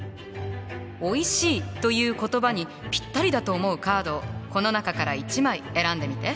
「おいしい」という言葉にぴったりだと思うカードをこの中から１枚選んでみて。